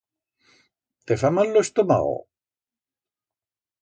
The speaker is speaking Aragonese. Te fa mal lo estomago?